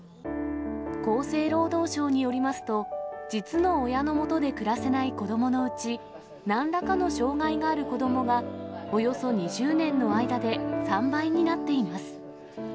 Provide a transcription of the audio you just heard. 厚生労働省によりますと、実の親の元で暮らせない子どものうち、なんらかの障害がある子どもがおよそ２０年の間で３倍になっています。